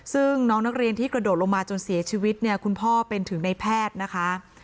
ซึ่งน้องนักเรียนที่กระโดดลงมาจนเสียชีวิตเนี่ยคุณพ่อเป็นถึงในแพทย์นะคะ